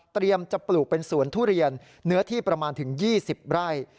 จะปลูกเป็นสวนทุเรียนเนื้อที่ประมาณถึง๒๐ไร่